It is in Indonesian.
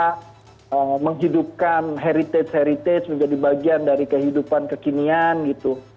ya maksudnya ini adalah bagaimana kita menghidupkan heritage heritage menjadi bagian dari kehidupan kekinian gitu